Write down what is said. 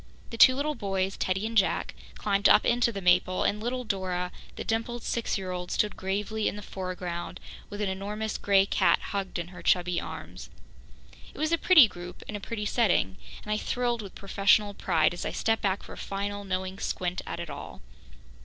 The two little boys, Teddy and Jack, climbed up into the maple, and little Dora, the dimpled six year old, stood gravely in the foreground with an enormous grey cat hugged in her chubby arms. It was a pretty group in a pretty setting, and I thrilled with professional pride as I stepped back for a final, knowing squint at it all.